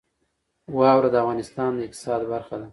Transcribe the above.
واوره د افغانستان د اقتصاد برخه ده.